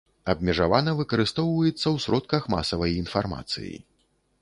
Абмежавана выкарыстоўваецца ў сродках масавай інфармацыі.